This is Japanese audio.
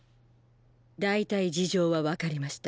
大体事情は分かりました。